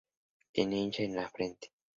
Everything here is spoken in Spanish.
Tenía hinchada la frente.